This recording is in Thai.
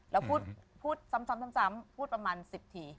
แล้วพูดพูดซ้ำพูดประมาณสิบที